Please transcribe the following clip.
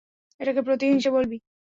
এটাকে প্রতিহিংসা বলবি?